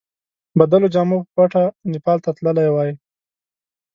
بدلو جامو په پټه نیپال ته تللی وای.